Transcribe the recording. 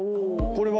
これは。